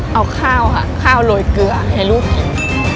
เอาข้าวโรยเกลือให้ลูกกิน